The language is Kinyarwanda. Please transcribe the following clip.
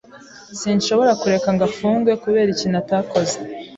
Sinshobora kureka ngo afungwe kubera ikintu atakoze.